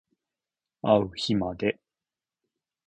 あう日まで